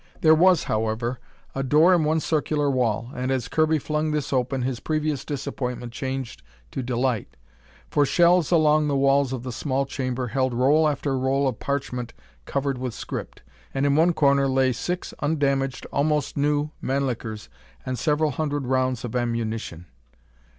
There was, however, a door in one circular wall, and as Kirby flung this open, his previous disappointment changed to delight. For shelves along the walls of the small chamber held roll after roll of parchment covered with script. And in one corner lay six undamaged, almost new Mannlichers and several hundred rounds of ammunition!